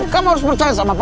kamu harus percaya sama papa